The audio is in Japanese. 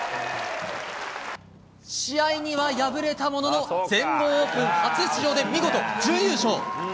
試合には敗れたものの、全豪オープン初出場で見事準優勝。